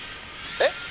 「えっ？」。